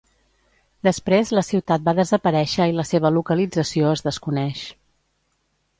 Després la ciutat va desaparèixer i la seva localització es desconeix.